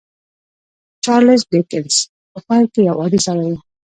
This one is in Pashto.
چارليس ډيکنز په پيل کې يو عادي سړی و.